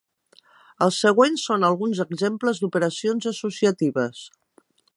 Els següents són alguns exemples d'operacions associatives.